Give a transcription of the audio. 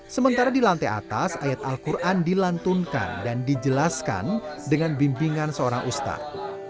sementara di lantai atas ayat al quran dilantunkan dan dijelaskan dengan bimbingan seorang ustad